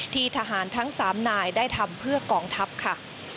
ที่ทหารทั้ง๓นายได้ทำเพื่อกองทัพค่ะ